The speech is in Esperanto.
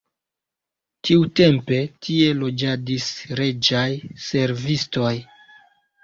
Tiutempe tie loĝadis reĝaj servistoj.